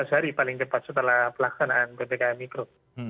empat belas hari paling cepat setelah pelaksanaan ppkm mikro